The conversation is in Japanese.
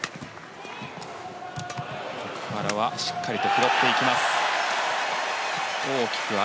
奥原はしっかりと拾っていきます。